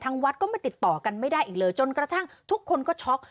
วัดก็ไม่ติดต่อกันไม่ได้อีกเลยจนกระทั่งทุกคนก็ช็อก